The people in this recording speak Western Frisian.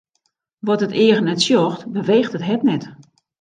Wat it each net sjocht, beweecht it hert net.